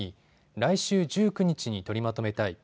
来週１９日に取りまとめたい。